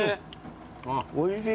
おいしい。